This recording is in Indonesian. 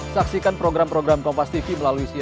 saksikan program program kompas tv melalui